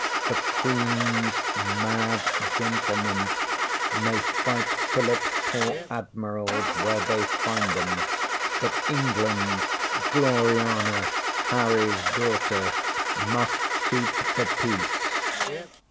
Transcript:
ŌĆśThe QueenŌĆÖs mad gentlemen may fight PhilipŌĆÖs poor admirals where they find ŌĆśem, but England, Gloriana, HarryŌĆÖs daughter, must keep the peace.